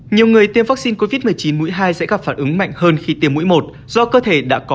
nhiều người tiêm vaccine covid một mươi chín mũi hai sẽ gặp phản ứng mạnh hơn khi tiêm mũi một do cơ thể đã có